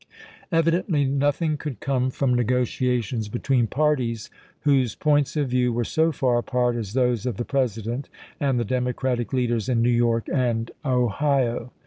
Evidently nothing could come from negotiations between parties whose points of view were so far apart as those of the President and the Democratic leaders in New York and Ohio.